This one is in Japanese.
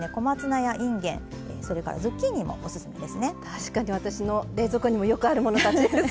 確かに私の冷蔵庫にもよくあるものたちです。